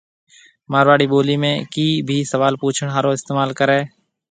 مارواڙي ٻولِي ۾ ”ڪِي“ ڀِي سوال پُڇڻ هارون استمعال ڪريَ۔